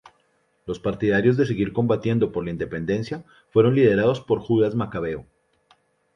Los partidarios de seguir combatiendo por la independencia fueron liderados por Judas Macabeo.